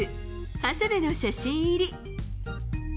長谷部の写真入り。